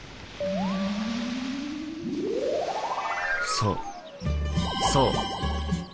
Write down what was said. そうそう。